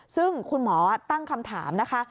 ซึ่งคุณหมอตั้งคำถามนะคะ